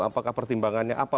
apakah pertimbangannya apa